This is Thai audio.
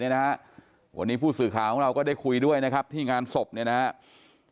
วันนี้ผู้สื่อข่าวของเราก็ได้คุยด้วยนะครับที่งานศพเนี่ยนะครับ